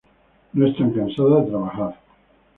No están cansadas de trabajar.